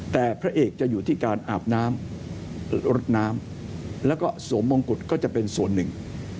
แต่พระเอกจะอยู่ที่การอาบน้ำรดน้ำแล้วก็สวมมงกุฎก็จะเป็นส่วนหนึ่ง